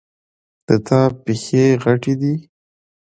د تا پښې غټي دي